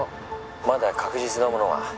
まだ確実なものは。